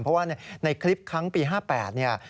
เพราะว่าในคลิปครั้งปี๕๘เนี่ย